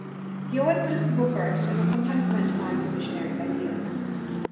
He always put his people first, and that sometimes meant denying the missionaries' ideas.